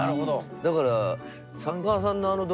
だから。